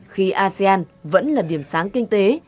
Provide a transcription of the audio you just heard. khi asean vẫn là điểm sáng kinh tế